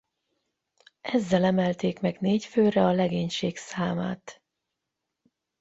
Ezzel emelték meg négy főre a legénység számát.